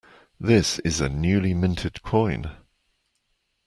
This is a newly minted coin.